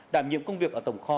đảm nhiệm công việc ở tổng kho